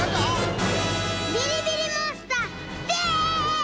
ビリビリモンスターです！